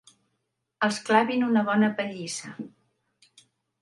Els clavin una bona pallissa.